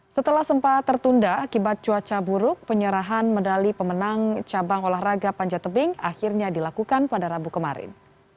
setelah sempat tertunda akibat cuaca buruk penyerahan medali pemenang cabang olahraga panjat tebing akhirnya dilakukan pada rabu kemarin